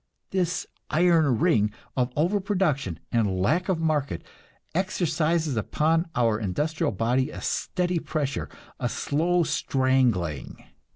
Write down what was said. This "iron ring" of overproduction and lack of market exercises upon our industrial body a steady pressure, a slow strangling.